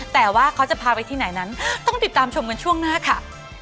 แต่ว่าเขาจะพาไปที่ไหนนั้นต้องติดตามชมกันช่วงหน้าค่ะ